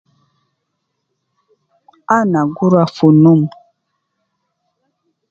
Ana gu rua fu num